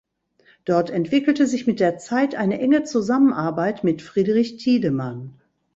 Dort entwickelte sich mit der Zeit eine enge Zusammenarbeit mit Friedrich Tiedemann.